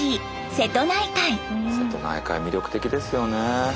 瀬戸内海魅力的ですよね。